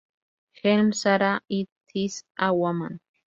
Helm, Sarah, "If This Is A Woman.